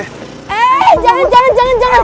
eh jangan jangan jangan